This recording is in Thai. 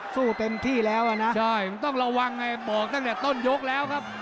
สู้เต็มที่แล้วอ่ะนะใช่มันต้องระวังไงบอกตั้งแต่ต้นยกแล้วครับ